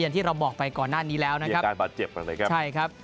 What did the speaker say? อย่างที่เราบอกไปก่อนหน้านี้แล้วนะครับมีอากาศเจ็บกันเลยครับ